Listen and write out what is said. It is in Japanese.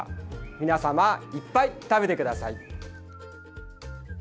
皆様いっぱい食べてください。